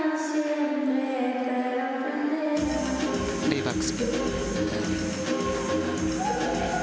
レイバックスピン。